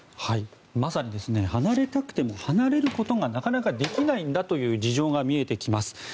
まさに離れたくても離れることがなかなかできないんだという事情が見えてきます。